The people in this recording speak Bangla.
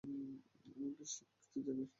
আমি কি সেই ব্যক্তি, যাকে সে স্বপ্নে দেখে?